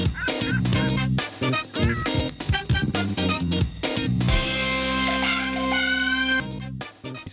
สวัสดีครับ